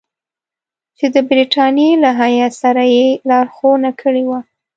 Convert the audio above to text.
چې د برټانیې له هیات سره یې لارښوونه کړې وه.